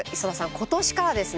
今年からですね